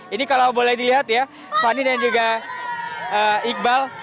ini kalau boleh dilihat ya fani dan juga iqbal